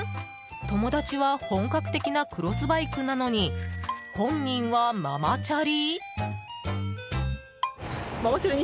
友達は本格的なクロスバイクなのに本人はママチャリ？